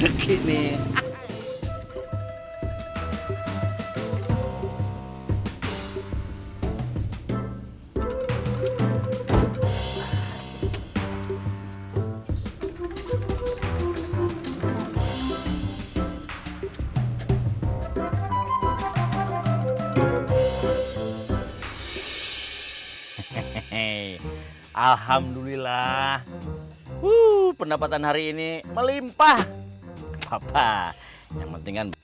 hehehe alhamdulillah uh pendapatan hari ini melimpah apa yang penting